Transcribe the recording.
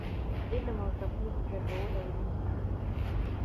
علم او تخنیک زده کول اړین دي